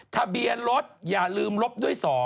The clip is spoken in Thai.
ทะเบียนรถอย่าลืมลบด้วย๒